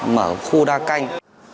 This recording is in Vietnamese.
mở khu đa canh